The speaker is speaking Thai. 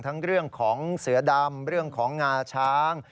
เรื่องของเสือดำเรื่องของงาช้าง